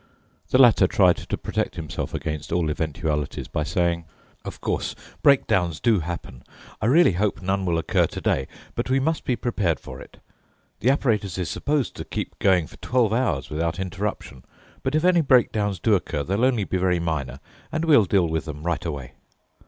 The latter tried to protect himself against all eventualities by saying, "Of course, breakdowns do happen. I really hope none will occur today, but we must be prepared for it. The apparatus is supposed to keep going for twelve hours without interruption. But if any breakdowns do occur, they'll only be very minor, and we'll deal with them right away."